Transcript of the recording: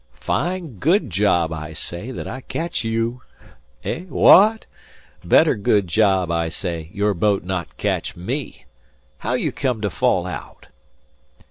"Fine good job, I say, that I catch you. Eh, wha at? Better good job, I say, your boat not catch me. How you come to fall out?"